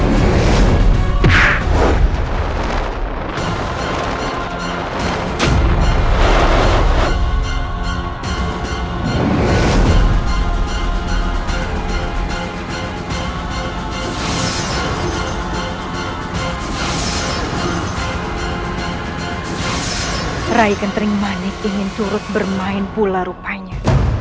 mereka tering manik ingin turut bermain pula rupanya